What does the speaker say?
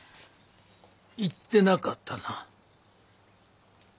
言ってなかったな。